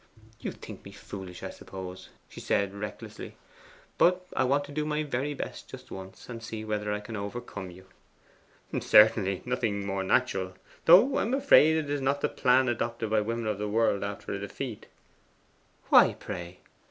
'You think me foolish, I suppose,' she said recklessly; 'but I want to do my very best just once, and see whether I can overcome you.' 'Certainly: nothing more natural. Though I am afraid it is not the plan adopted by women of the world after a defeat.' 'Why, pray?